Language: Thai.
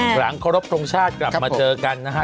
หลังเคารพทรงชาติกลับมาเจอกันนะฮะ